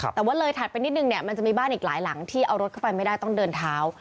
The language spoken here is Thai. แต่ว่าเลยถัดไปนิดนึงเนี่ยมันจะมีบ้านอีกหลายหลังที่เอารถเข้าไปไม่ได้ต้องเดินเท้า